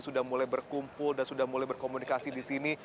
sudah mulai berkumpul dan sudah mulai berkomunikasi di sini